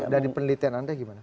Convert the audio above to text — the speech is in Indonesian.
dari penelitian anda gimana